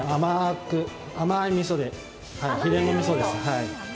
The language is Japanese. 甘いみそで、秘伝のみそです。